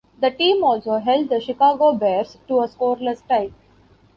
The team also held the Chicago Bears to a scoreless tie.